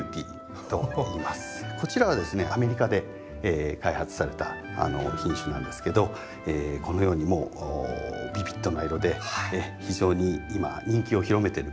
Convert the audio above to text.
こちらはですねアメリカで開発された品種なんですけどこのようにビビッドな色で非常に今人気を広めてる品種です。